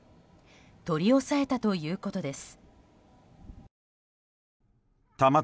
取り押さえたということです。